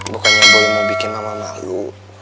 bukannya boleh mau bikin mama malu